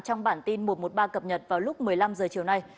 trong bản tin một trăm một mươi ba cập nhật vào lúc một mươi năm h chiều nay